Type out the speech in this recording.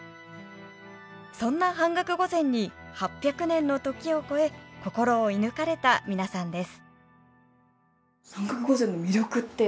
そんな板額御前に８００年の時を超え心を射ぬかれた皆さんです。